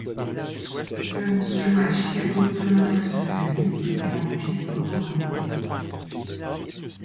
Jones joue à Chicago tout le reste de sa vie mais enregistre beaucoup moins.